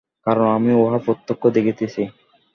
কারণ আমি উহা প্রত্যক্ষ দেখিতেছি।